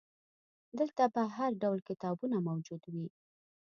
دلته به هرډول کتابونه موجود وي.